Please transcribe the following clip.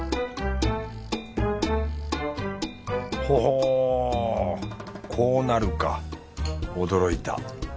ほほこうなるか驚いた。